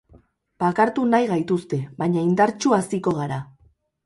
Bakartu nahi gaituzte, baina indartsu haziko gara.